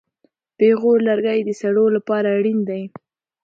پېغور لرګی د سړو لپاره اړین دی.